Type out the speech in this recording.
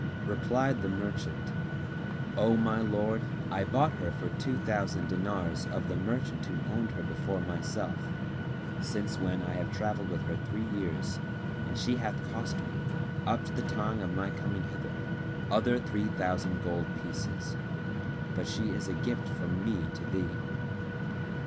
Replied the merchant, "O my lord, I bought her for two thousand dinars of the merchant who owned her before myself, since when I have travelled with her three years and she hath cost me, up to the time of my coming hither, other three thousand gold pieces; but she is a gift from me to thee."